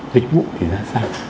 dịch vụ thì ra sao